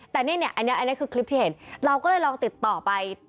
แต่เนี่ยอันนี้คือคลิปที่เห็นเราก็เลยลองติดต่อไป